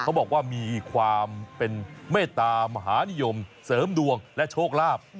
เขาบอกว่ามีความเป็นเมตตามหานิยมเสริมดวงและโชคลาภ